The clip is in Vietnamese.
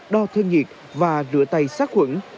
đo thương nhiệt và rửa tay sát khuẩn